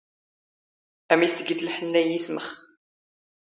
ⴰⵎ ⵉⵙ ⵜⴳⵉⵜ ⵍⵃⵏⵏⴰ ⵉ ⵉⵙⵎⵅ